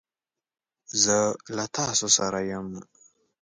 زه له تاسو سره یم.